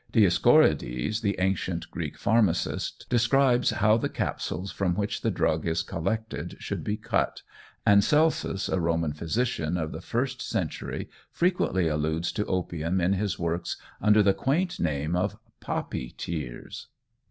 Dioscorides, the ancient Greek pharmacist, describes how the capsules from which the drug is collected should be cut, and Celsus, a Roman physician of the first century, frequently alludes to opium in his works under the quaint name of "poppy tears."